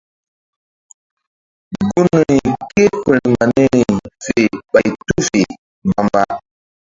Gunri ké-e firma niri fe ɓay tu fe mbamba.